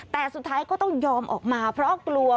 แต่สุดท้ายก็ต้องยอมออกมาเพราะกลัว